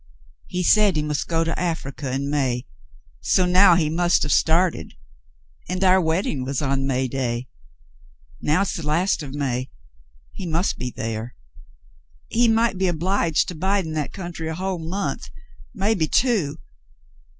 "He said he must go to Africa in May, so now he must have started — and our wedding was on May day. Now it's the last of May ; he must be there. He might be obliged to bide in that country a whole month — maybe two.